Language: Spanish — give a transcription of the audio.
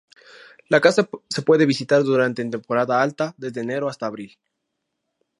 La casa se pude visitar durante en temporada alta desde enero hasta abril.